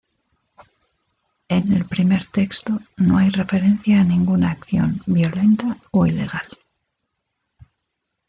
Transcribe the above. En el primer texto no hay referencia a ninguna acción violenta o ilegal.